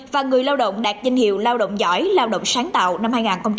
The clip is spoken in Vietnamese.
và người lao động đạt danh hiệu lao động giỏi lao động sáng tạo năm hai nghìn một mươi chín